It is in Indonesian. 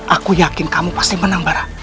aku yakin kamu pasti menang bara